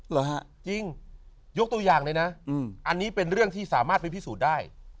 เหรอฮะจริงยกตัวอย่างเลยนะอันนี้เป็นเรื่องที่สามารถไปพิสูจน์ได้